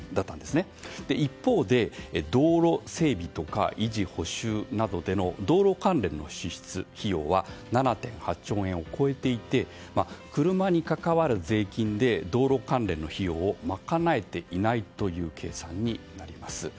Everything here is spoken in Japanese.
一方で、道路整備とか維持や補修などでの道路関連の支出費用は７．８兆円を超えていて車に関わる税金で道路関連の費用を賄えていないという計算になります。